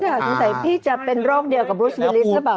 สงสัยพี่จะเป็นร่องเดียวกับบรูซเบอร์ริสหรือเปล่า